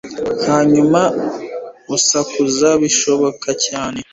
Hanyuma usakuze bishoboka cyane